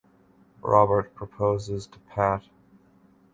Robert proposes to Pat.